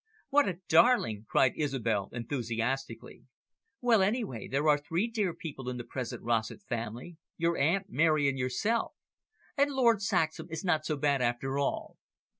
"What a darling!" cried Isobel enthusiastically. "Well, anyway, there are three dear people in the present Rossett family, your Aunt, Mary, and yourself. And Lord Saxham is not so bad after all."